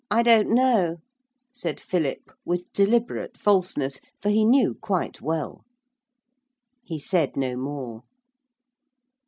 'I don't know,' said Philip, with deliberate falseness, for he knew quite well. He said no more.